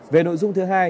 về nội dung thứ hai